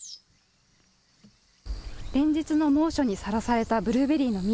連日の猛暑にさらされたブルーベリーの実。